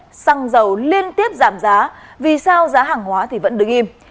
bài viết xăng dầu liên tiếp giảm giá vì sao giá hàng hóa vẫn đứng im